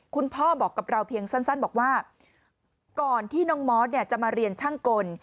พ่อบอกกับเราเพียงสั้นบอกว่าก่อนที่น้องมอสจะมาเรียนช่างกล